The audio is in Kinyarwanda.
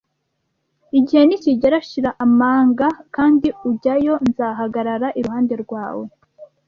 Igihe nikigera, shira amanga kandi ujyayo! Nzahagarara iruhande rwawe.